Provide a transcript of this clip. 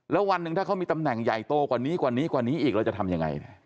แล้ววันหนึ่งถ้าเขามีตำแหน่งใหญ่โตกว่านี้กว่านี้กว่านี้อีกเราจะทำยังไง